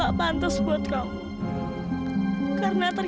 salah vince apples untuk muttain suku